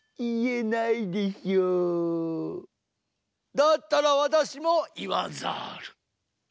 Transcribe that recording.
だったらわたしもいわざる。